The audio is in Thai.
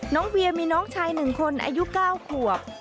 น้องเวียมีน้องชายหนึ่งคนอายุ๙ขวบ